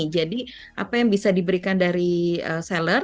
jadi apa yang bisa diberikan dari seller